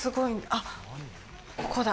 あっ、ここだ。